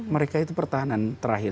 mereka itu pertahanan terakhir